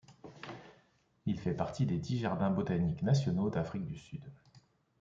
Il fait partie des dix jardins botaniques nationaux d'Afrique du Sud.